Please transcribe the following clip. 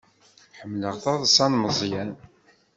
Ḥemmleɣ taḍsa n Meẓyan.